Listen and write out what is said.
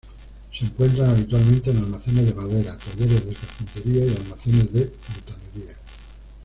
Se encuentran habitualmente en almacenes de madera, talleres de carpintería y almacenes de fontanería.